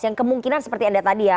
yang kemungkinan seperti anda tadi ya